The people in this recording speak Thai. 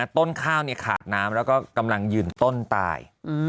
ต้นข้าวขาดน้ำแล้วก็กำลังยืนต้นตาย